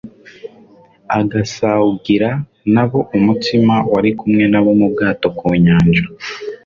agasaugira na bo umutsima; wari kumwe na bo mu bwato ku nyanja;